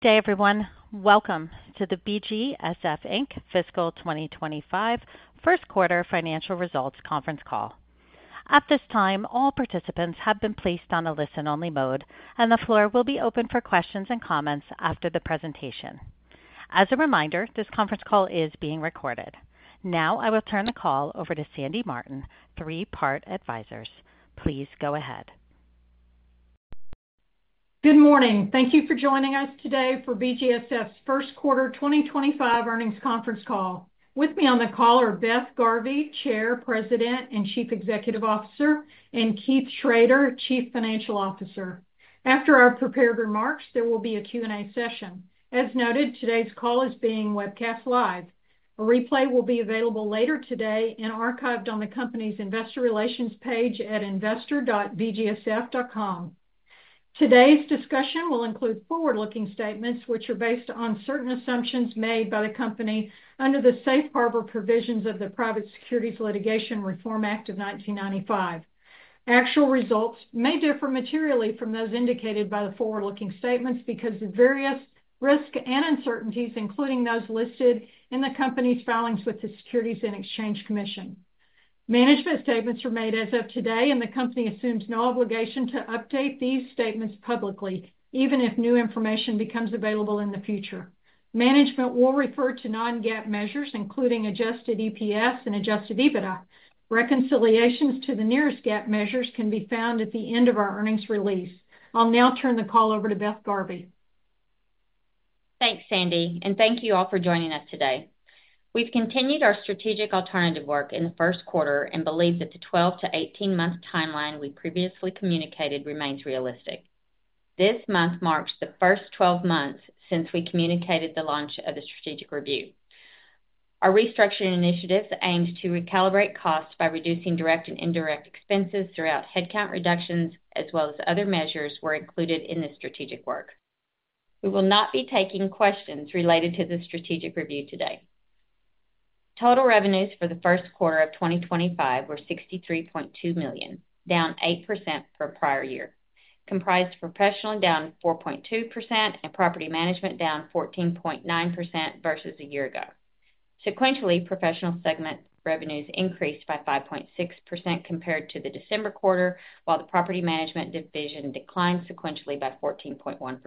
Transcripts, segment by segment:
Hey, everyone. Welcome to the BGSF Inc Fiscal 2025 First Quarter Financial Results Conference Call. At this time, all participants have been placed on a listen-only mode, and the floor will be open for questions and comments after the presentation. As a reminder, this conference call is being recorded. Now, I will turn the call over to Sandy Martin, Three Part Advisors. Please go ahead. Good morning. Thank you for joining us today for BGSF's First Quarter 2025 Earnings Conference Call. With me on the call are Beth Garvey, Chair, President and Chief Executive Officer, and Keith Schroeder, Chief Financial Officer. After our prepared remarks, there will be a Q&A session. As noted, today's call is being webcast live. A replay will be available later today and archived on the company's Investor Relations page at investor.bgsf.com. Today's discussion will include forward-looking statements which are based on certain assumptions made by the company under the Safe Harbor Provisions of the Private Securities Litigation Reform Act of 1995. Actual results may differ materially from those indicated by the forward-looking statements because of various risks and uncertainties, including those listed in the company's filings with the Securities and Exchange Commission. Management statements are made as of today, and the company assumes no obligation to update these statements publicly, even if new information becomes available in the future. Management will refer to non-GAAP measures, including adjusted EPS and adjusted EBITDA. Reconciliations to the nearest GAAP measures can be found at the end of our earnings release. I'll now turn the call over to Beth Garvey. Thanks, Sandy, and thank you all for joining us today. We've continued our strategic alternative work in the first quarter and believe that the 12 to 18-month timeline we previously communicated remains realistic. This month marks the first 12 months since we communicated the launch of the strategic review. Our restructuring initiatives aimed to recalibrate costs by reducing direct and indirect expenses throughout headcount reductions, as well as other measures that were included in this strategic work. We will not be taking questions related to the strategic review today. Total revenues for the first quarter of 2025 were $63.2 million, down 8% from prior year, comprised professional down 4.2% and property management down 14.9% versus a year ago. Sequentially, professional segment revenues increased by 5.6% compared to the December quarter, while the property management division declined sequentially by 14.1%.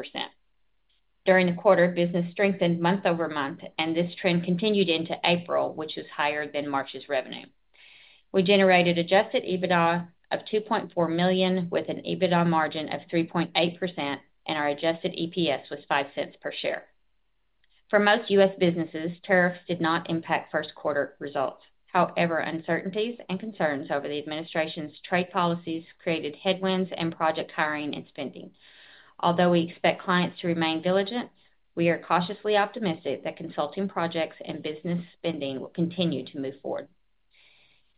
During the quarter, business strengthened month over month, and this trend continued into April, which was higher than March's revenue. We generated adjusted EBITDA of $2.4 million with an EBITDA margin of 3.8%, and our adjusted EPS was $0.05 per share. For most U.S. businesses, tariffs did not impact first-quarter results. However, uncertainties and concerns over the administration's trade policies created headwinds in project hiring and spending. Although we expect clients to remain diligent, we are cautiously optimistic that consulting projects and business spending will continue to move forward.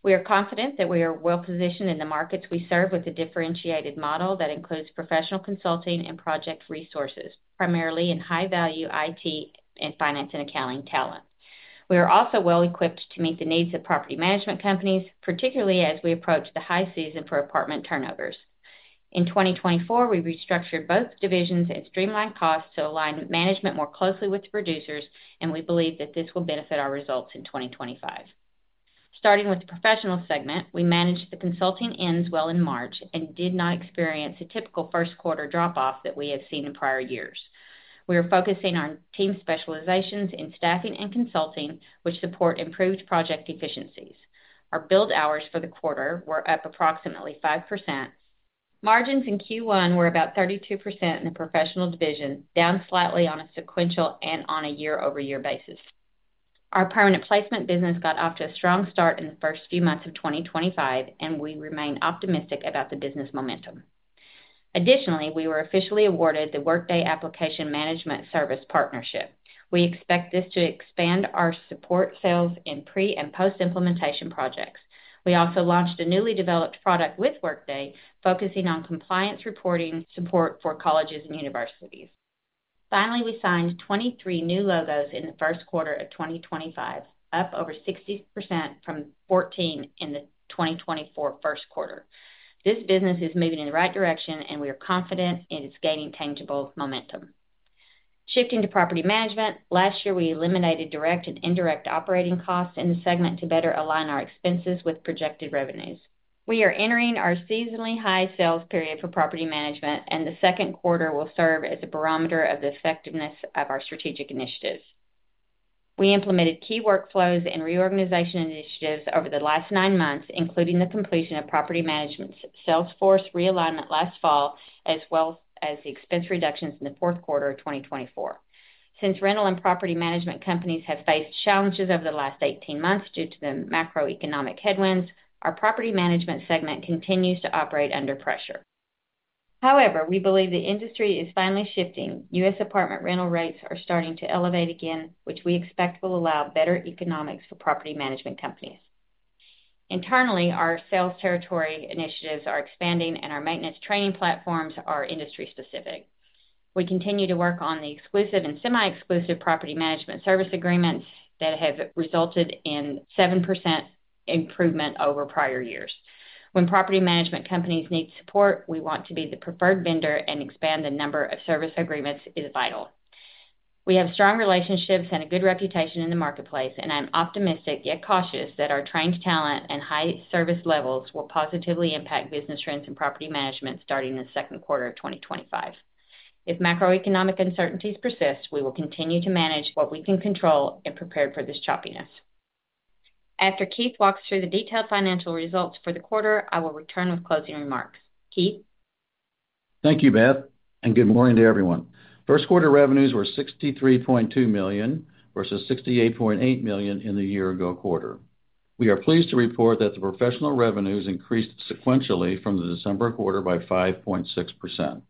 We are confident that we are well-positioned in the markets we serve with a differentiated model that includes professional consulting and project resources, primarily in high-value IT and finance and accounting talent. We are also well-equipped to meet the needs of property management companies, particularly as we approach the high season for apartment turnovers. In 2024, we restructured both divisions and streamlined costs to align management more closely with producers, and we believe that this will benefit our results in 2025. Starting with the professional segment, we managed the consulting ends well in March and did not experience a typical first-quarter drop-off that we have seen in prior years. We are focusing on team specializations in staffing and consulting, which support improved project efficiencies. Our bill hours for the quarter were up approximately 5%. Margins in Q1 were about 32% in the professional division, down slightly on a sequential and on a year-over-year basis. Our permanent placement business got off to a strong start in the first few months of 2025, and we remain optimistic about the business momentum. Additionally, we were officially awarded the Workday Application Management Service partnership. We expect this to expand our support sales in pre- and post-implementation projects. We also launched a newly developed product with Workday, focusing on compliance reporting support for colleges and universities. Finally, we signed 23 new logos in the first quarter of 2025, up over 60% from 14 in the 2024 first quarter. This business is moving in the right direction, and we are confident it is gaining tangible momentum. Shifting to property management, last year we eliminated direct and indirect operating costs in the segment to better align our expenses with projected revenues. We are entering our seasonally high sales period for property management, and the second quarter will serve as a barometer of the effectiveness of our strategic initiatives. We implemented key workflows and reorganization initiatives over the last nine months, including the completion of property management's Salesforce realignment last fall, as well as the expense reductions in the fourth quarter of 2024. Since rental and property management companies have faced challenges over the last 18 months due to the macroeconomic headwinds, our property management segment continues to operate under pressure. However, we believe the industry is finally shifting. U.S. apartment rental rates are starting to elevate again, which we expect will allow better economics for property management companies. Internally, our sales territory initiatives are expanding, and our maintenance training platforms are industry-specific. We continue to work on the exclusive and semi-exclusive property management service agreements that have resulted in a 7% improvement over prior years. When property management companies need support, we want to be the preferred vendor and expand the number of service agreements is vital. We have strong relationships and a good reputation in the marketplace, and I'm optimistic yet cautious that our trained talent and high service levels will positively impact business trends in property management starting in the second quarter of 2025. If macroeconomic uncertainties persist, we will continue to manage what we can control and prepare for this choppiness. After Keith walks through the detailed financial results for the quarter, I will return with closing remarks. Keith. Thank you, Beth, and good morning to everyone. First quarter revenues were $63.2 million versus $68.8 million in the year-ago quarter. We are pleased to report that the professional revenues increased sequentially from the December quarter by 5.6%.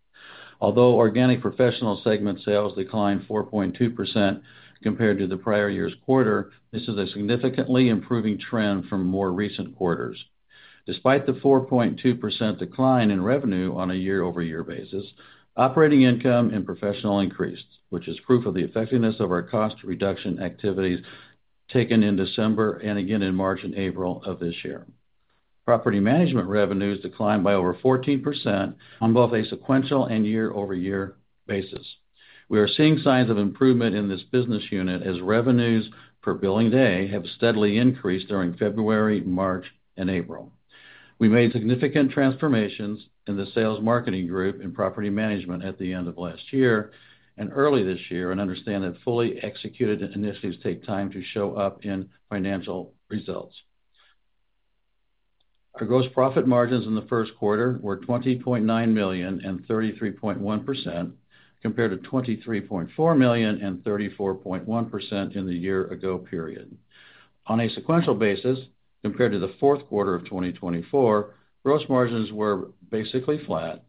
Although organic professional segment sales declined 4.2% compared to the prior year's quarter, this is a significantly improving trend from more recent quarters. Despite the 4.2% decline in revenue on a year-over-year basis, operating income and professional increased, which is proof of the effectiveness of our cost reduction activities taken in December and again in March and April of this year. Property management revenues declined by over 14% on both a sequential and year-over-year basis. We are seeing signs of improvement in this business unit as revenues per billing day have steadily increased during February, March, and April. We made significant transformations in the sales marketing group in property management at the end of last year and early this year and understand that fully executed initiatives take time to show up in financial results. Our gross profit margins in the first quarter were $20.9 million and 33.1% compared to $23.4 million and 34.1% in the year-ago period. On a sequential basis, compared to the fourth quarter of 2024, gross margins were basically flat,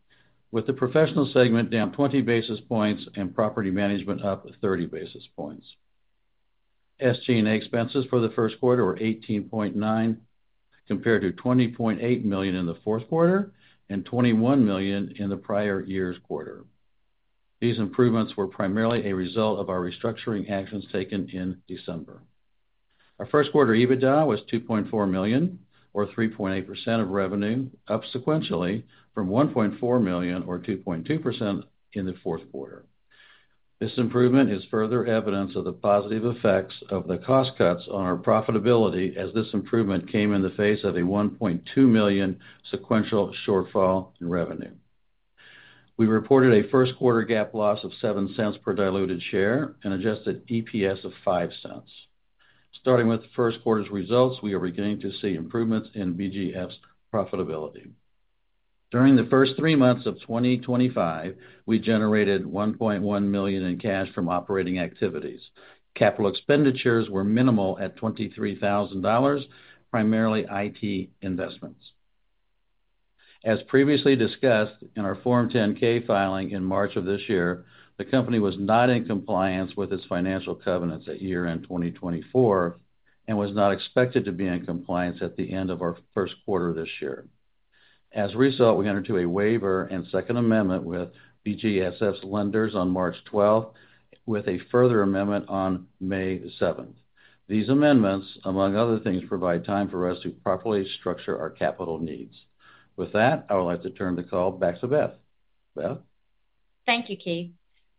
with the professional segment down 20 basis points and property management up 30 basis points. SG&A expenses for the first quarter were $18.9 million compared to $20.8 million in the fourth quarter and $21 million in the prior year's quarter. These improvements were primarily a result of our restructuring actions taken in December. Our first quarter EBITDA was $2.4 million, or 3.8% of revenue, up sequentially from $1.4 million, or 2.2%, in the fourth quarter. This improvement is further evidence of the positive effects of the cost cuts on our profitability as this improvement came in the face of a $1.2 million sequential shortfall in revenue. We reported a first quarter GAAP loss of $0.07 per diluted share and adjusted EPS of $0.05. Starting with the first quarter's results, we are beginning to see improvements in BGSF's profitability. During the first three months of 2025, we generated $1.1 million in cash from operating activities. Capital expenditures were minimal at $23,000, primarily IT investments. As previously discussed in our Form 10-K filing in March of this year, the company was not in compliance with its financial covenants at year-end 2024 and was not expected to be in compliance at the end of our first quarter this year. As a result, we entered into a waiver and Second Amendment with BGSF's lenders on March 12th, with a further amendment on May 7th. These amendments, among other things, provide time for us to properly structure our capital needs. With that, I would like to turn the call back to Beth. Beth? Thank you, Keith.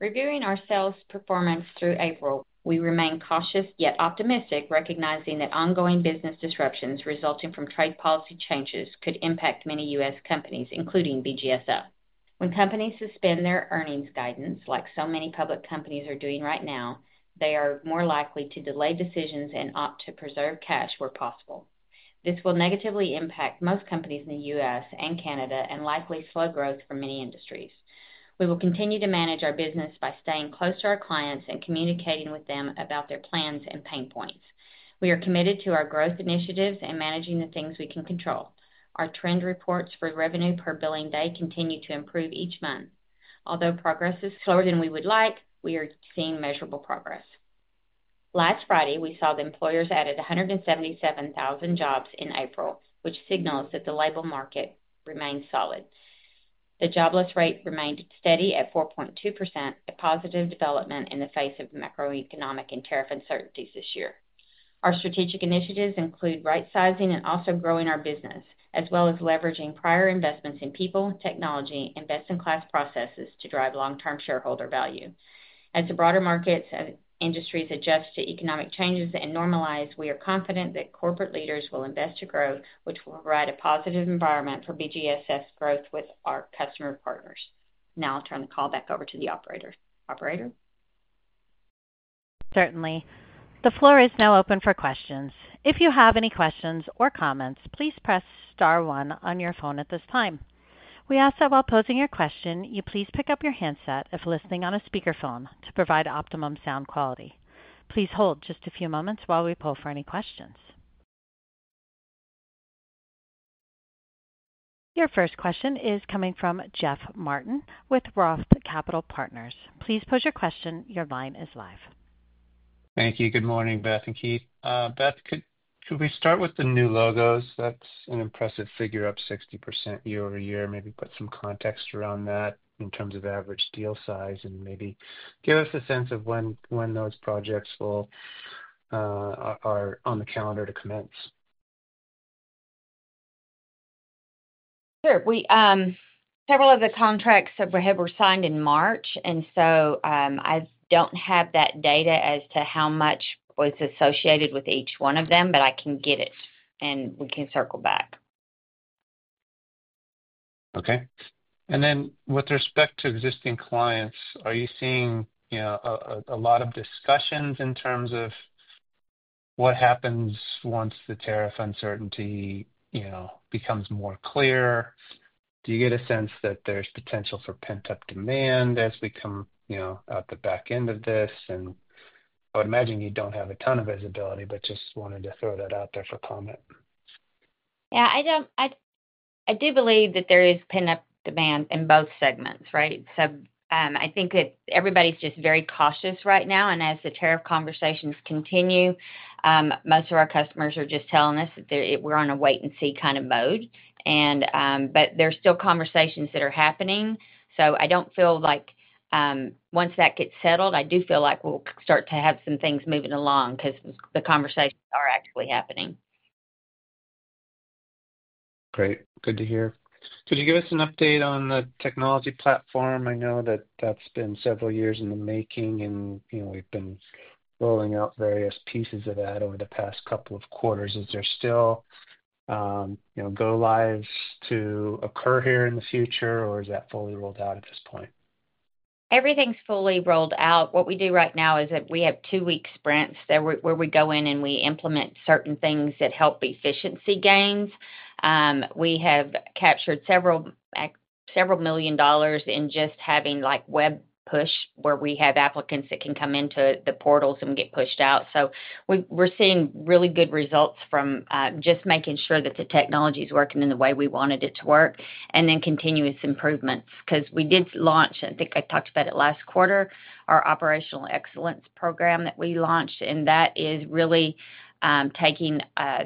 Reviewing our sales performance through April, we remain cautious yet optimistic, recognizing that ongoing business disruptions resulting from trade policy changes could impact many U.S. companies, including BGSF. When companies suspend their earnings guidance, like so many public companies are doing right now, they are more likely to delay decisions and opt to preserve cash where possible. This will negatively impact most companies in the U.S. and Canada and likely slow growth for many industries. We will continue to manage our business by staying close to our clients and communicating with them about their plans and pain points. We are committed to our growth initiatives and managing the things we can control. Our trend reports for revenue per billing day continue to improve each month. Although progress is slower than we would like, we are seeing measurable progress. Last Friday, we saw the employers added 177,000 jobs in April, which signals that the labor market remains solid. The jobless rate remained steady at 4.2%, a positive development in the face of macroeconomic and tariff uncertainties this year. Our strategic initiatives include right-sizing and also growing our business, as well as leveraging prior investments in people, technology, and best-in-class processes to drive long-term shareholder value. As the broader markets and industries adjust to economic changes and normalize, we are confident that corporate leaders will invest to grow, which will provide a positive environment for BGSF's growth with our customer partners. Now I'll turn the call back over to the operator. Certainly. The floor is now open for questions. If you have any questions or comments, please press star one on your phone at this time. We ask that while posing your question, you please pick up your handset if listening on a speakerphone to provide optimum sound quality. Please hold just a few moments while we pull for any questions. Your first question is coming from Jeff Martin with ROTH Capital Partners. Please pose your question. Your line is live. Thank you. Good morning, Beth and Keith. Beth, could we start with the new logos? That's an impressive figure, up 60% year-over-year. Maybe put some context around that in terms of average deal size and maybe give us a sense of when those projects are on the calendar to commence. Sure. Several of the contracts have been signed in March, and I do not have that data as to how much was associated with each one of them, but I can get it, and we can circle back. Okay. With respect to existing clients, are you seeing a lot of discussions in terms of what happens once the tariff uncertainty becomes more clear? Do you get a sense that there's potential for pent-up demand as we come out the back end of this? I would imagine you don't have a ton of visibility, but just wanted to throw that out there for comment. Yeah. I do believe that there is pent-up demand in both segments, right? I think that everybody's just very cautious right now, and as the tariff conversations continue, most of our customers are just telling us that we're on a wait-and-see kind of mode. There's still conversations that are happening, so I don't feel like once that gets settled, I do feel like we'll start to have some things moving along because the conversations are actually happening. Great. Good to hear. Could you give us an update on the technology platform? I know that that's been several years in the making, and we've been rolling out various pieces of that over the past couple of quarters. Is there still go-lives to occur here in the future, or is that fully rolled out at this point? Everything's fully rolled out. What we do right now is that we have two-week sprints where we go in and we implement certain things that help efficiency gains. We have captured several million dollars in just having web push, where we have applicants that can come into the portals and get pushed out. We're seeing really good results from just making sure that the technology is working in the way we wanted it to work and then continuous improvements. Because we did launch—I think I talked about it last quarter—our operational excellence program that we launched, and that is really taking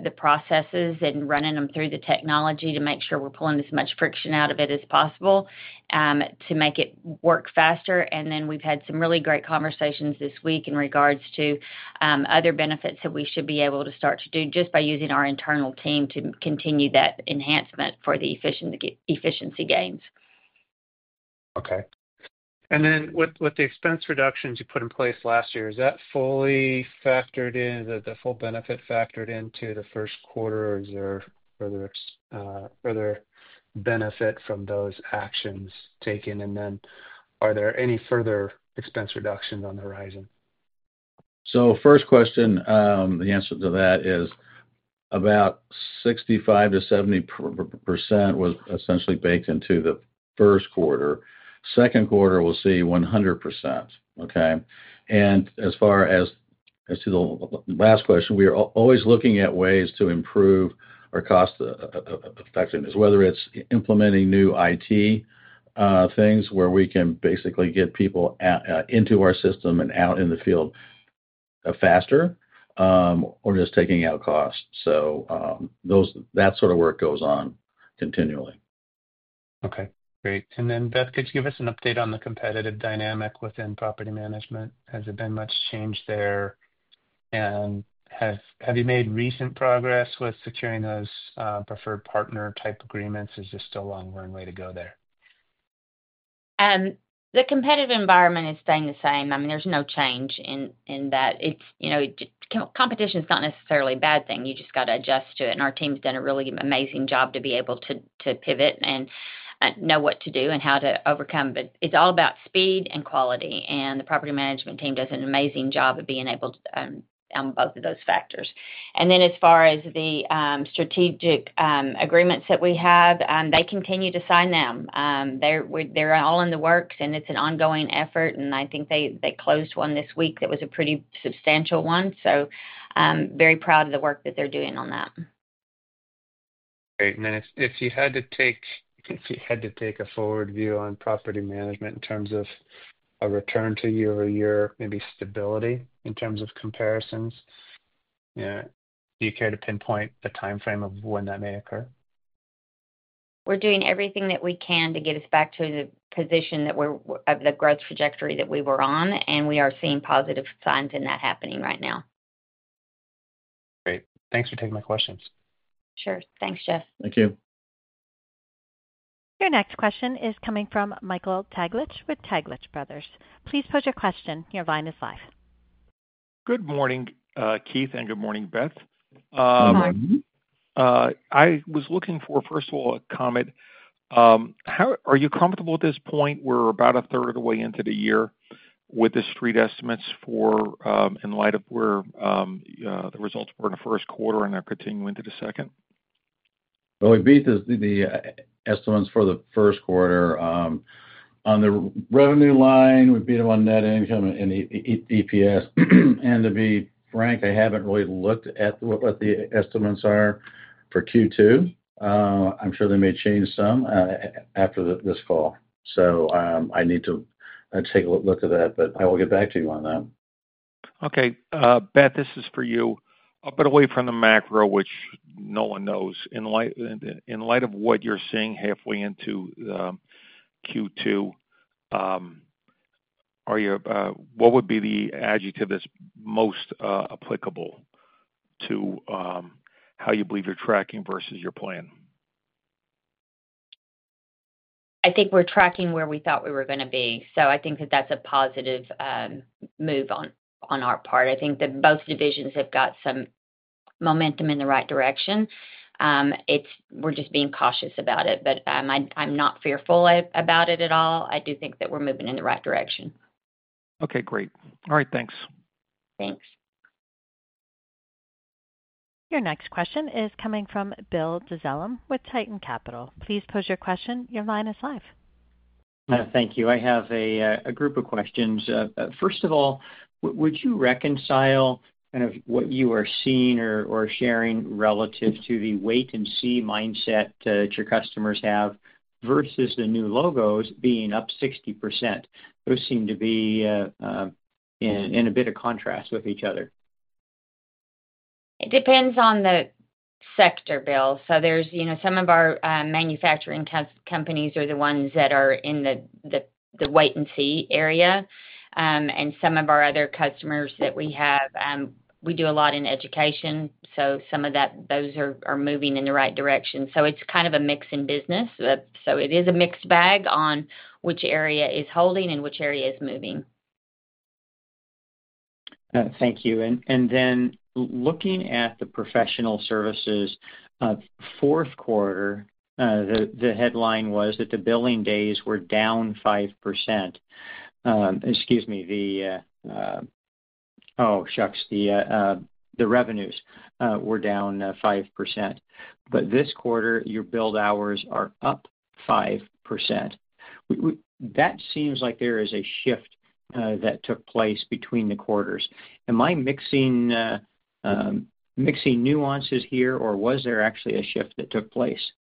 the processes and running them through the technology to make sure we're pulling as much friction out of it as possible to make it work faster. We have had some really great conversations this week in regards to other benefits that we should be able to start to do just by using our internal team to continue that enhancement for the efficiency gains. Okay. And then with the expense reductions you put in place last year, is that fully factored in? Is that the full benefit factored into the first quarter, or is there further benefit from those actions taken? Are there any further expense reductions on the horizon? So, first question, the answer to that is about 65%-70% was essentially baked into the first quarter. Second quarter, we'll see 100%. As far as to the last question, we are always looking at ways to improve our cost effectiveness, whether it's implementing new IT things where we can basically get people into our system and out in the field faster or just taking out costs. That sort of work goes on continually. Okay. Great. Beth, could you give us an update on the competitive dynamic within property management? Has there been much change there? Have you made recent progress with securing those preferred partner-type agreements? Is this still a long-worn way to go there? The competitive environment is staying the same. I mean, there's no change in that. Competition is not necessarily a bad thing. You just got to adjust to it. And our team's done a really amazing job to be able to pivot and know what to do and how to overcome. But it's all about speed and quality. And the property management team does an amazing job of being able to nail down both of those factors. And then as far as the strategic agreements that we have, they continue to sign them. They're all in the works, and it's an ongoing effort. And I think they closed one this week that was a pretty substantial one. So very proud of the work that they're doing on that. Great. If you had to take a forward view on property management in terms of a return to year-over-year, maybe stability in terms of comparisons, do you care to pinpoint a timeframe of when that may occur? We're doing everything that we can to get us back to the position of the growth trajectory that we were on, and we are seeing positive signs in that happening right now. Great. Thanks for taking my questions. Sure. Thanks, Jeff. Thank you. Your next question is coming from Michael Taglich with Taglich Brothers. Please pose your question. Your line is live. Good morning, Keith, and good morning, Beth. Good morning. I was looking for, first of all, a comment. Are you comfortable at this point—we're about a third of the way into the year—with the street estimates in light of where the results were in the first quarter and are continuing into the second? We beat the estimates for the first quarter. On the revenue line, we beat them on net income and EPS. To be frank, I have not really looked at what the estimates are for Q2. I am sure they may change some after this call. I need to take a look at that, but I will get back to you on that. Okay. Beth, this is for you. Away from the macro, which no one knows, in light of what you're seeing halfway into Q2, what would be the adjective that's most applicable to how you believe you're tracking versus your plan? I think we're tracking where we thought we were going to be. I think that that's a positive move on our part. I think that both divisions have got some momentum in the right direction. We're just being cautious about it, but I'm not fearful about it at all. I do think that we're moving in the right direction. Okay. Great. All right. Thanks. Thanks. Your next question is coming from Bill Dezellem with Tieton Capital. Please pose your question. Your line is live. Thank you. I have a group of questions. First of all, would you reconcile kind of what you are seeing or sharing relative to the wait-and-see mindset that your customers have versus the new logos being up 60%? Those seem to be in a bit of contrast with each other. It depends on the sector, Bill. Some of our manufacturing companies are the ones that are in the wait-and-see area. Some of our other customers that we have, we do a lot in education, so some of those are moving in the right direction. It is kind of a mix in business. It is a mixed bag on which area is holding and which area is moving. Thank you. Then looking at the professional services, fourth quarter, the headline was that the billing days were down 5%. Excuse me. Oh, shucks. The revenues were down 5%. This quarter, your bill hours are up 5%. That seems like there is a shift that took place between the quarters. Am I mixing nuances here, or was there actually a shift that took place?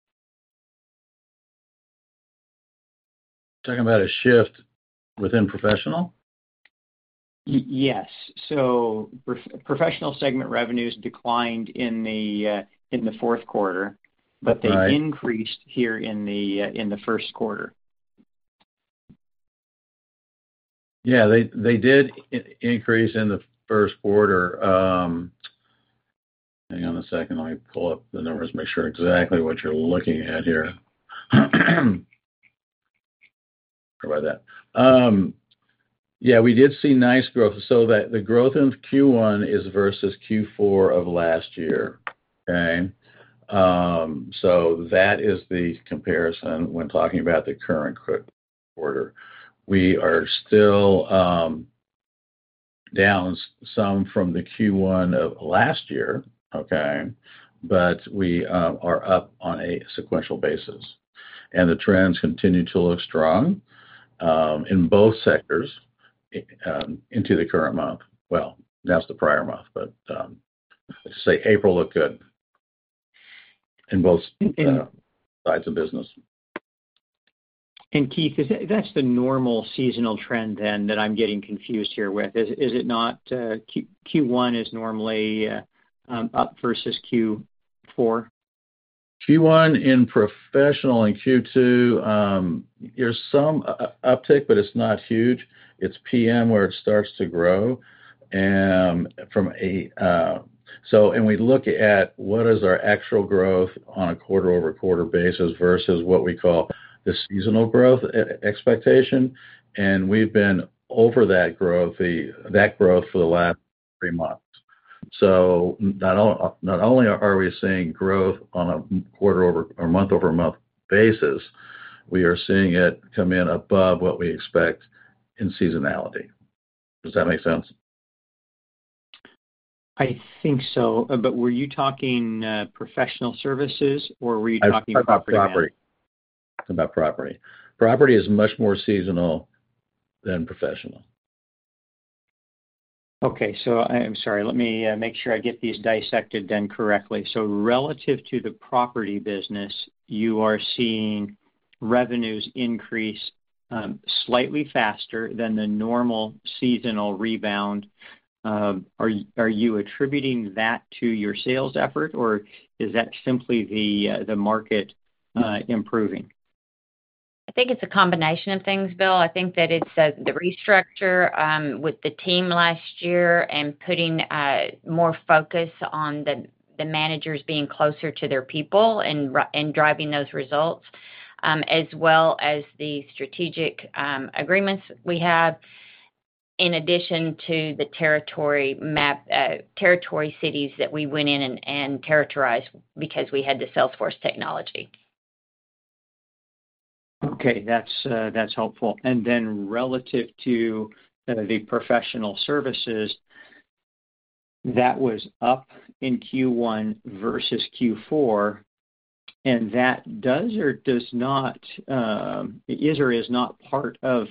You're talking about a shift within professional? Yes. Professional segment revenues declined in the fourth quarter, but they increased here in the first quarter. Yeah. They did increase in the first quarter. Hang on a second. Let me pull up the numbers and make sure exactly what you're looking at here. Sorry about that. Yeah. We did see nice growth. The growth in Q1 is versus Q4 of last year, okay? That is the comparison when talking about the current quarter. We are still down some from the Q1 of last year, okay? We are up on a sequential basis. The trends continue to look strong in both sectors into the current month. That is the prior month, but I'd say April looked good in both sides of business. Keith, is that the normal seasonal trend then that I'm getting confused here with? Is it not Q1 is normally up versus Q4? Q1 in professional and Q2, there's some uptake, but it's not huge. It's PM where it starts to grow. We look at what is our actual growth on a quarter-over-quarter basis versus what we call the seasonal growth expectation. We've been over that growth for the last three months. Not only are we seeing growth on a quarter-over or month-over-month basis, we are seeing it come in above what we expect in seasonality. Does that make sense? I think so. Were you talking professional services, or were you talking about property? I'm talking about property. Property is much more seasonal than professional. Okay. I'm sorry. Let me make sure I get these dissected then correctly. Relative to the property business, you are seeing revenues increase slightly faster than the normal seasonal rebound. Are you attributing that to your sales effort, or is that simply the market improving? I think it's a combination of things, Bill. I think that it's the restructure with the team last year and putting more focus on the managers being closer to their people and driving those results, as well as the strategic agreements we have, in addition to the territory cities that we went in and territorized because we had the Salesforce technology. Okay. That's helpful. Then relative to the professional services, that was up in Q1 versus Q4. That does or does not, is or is not part of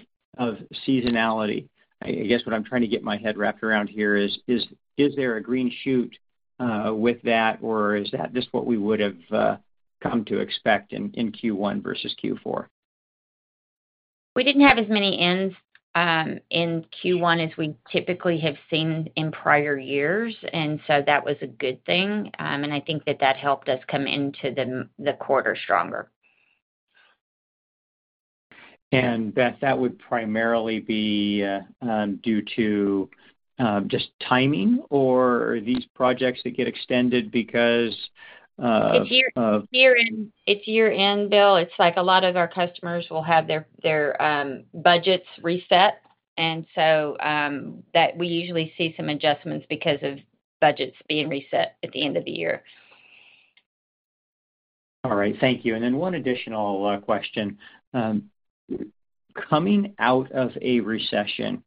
seasonality. I guess what I'm trying to get my head wrapped around here is, is there a green shoot with that, or is that just what we would have come to expect in Q1 versus Q4? We didn't have as many ends in Q1 as we typically have seen in prior years. That was a good thing. I think that that helped us come into the quarter stronger. Beth, that would primarily be due to just timing, or are these projects that get extended because of? It's year-end, Bill. It's like a lot of our customers will have their budgets reset. And we usually see some adjustments because of budgets being reset at the end of the year. All right. Thank you. Then one additional question. Coming out of a recession,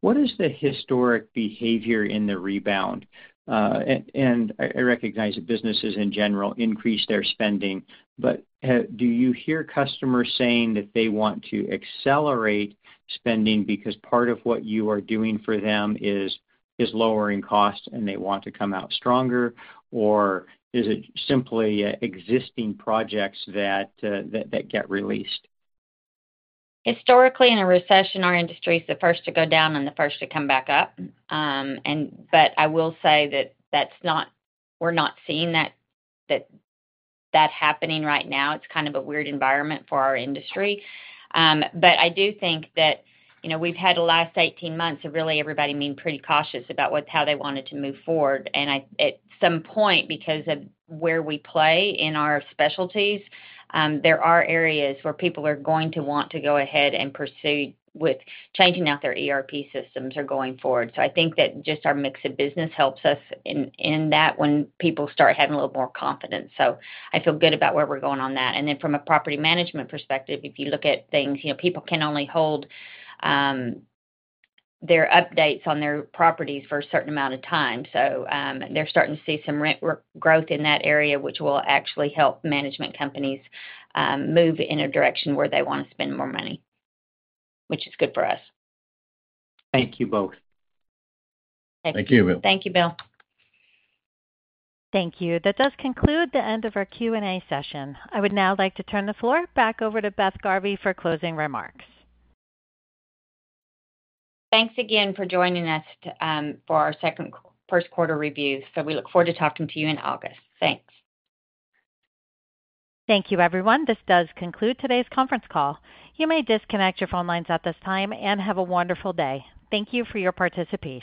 what is the historic behavior in the rebound? I recognize that businesses, in general, increase their spending. Do you hear customers saying that they want to accelerate spending because part of what you are doing for them is lowering costs and they want to come out stronger, or is it simply existing projects that get released? Historically, in a recession, our industry is the first to go down and the first to come back up. I will say that we're not seeing that happening right now. It's kind of a weird environment for our industry. I do think that we've had the last 18 months of really everybody being pretty cautious about how they wanted to move forward. At some point, because of where we play in our specialties, there are areas where people are going to want to go ahead and pursue with changing out their ERP systems or going forward. I think that just our mix of business helps us in that when people start having a little more confidence. I feel good about where we're going on that. From a property management perspective, if you look at things, people can only hold their updates on their properties for a certain amount of time. They are starting to see some rent growth in that area, which will actually help management companies move in a direction where they want to spend more money, which is good for us. Thank you both. Thank you, Bill. Thank you, Bill. Thank you. That does conclude the end of our Q&A session. I would now like to turn the floor back over to Beth Garvey for closing remarks. Thanks again for joining us for our first quarter review. We look forward to talking to you in August. Thanks. Thank you, everyone. This does conclude today's conference call. You may disconnect your phone lines at this time and have a wonderful day. Thank you for your participation.